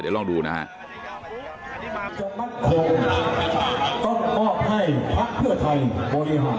เดี๋ยวลองดูนะครับ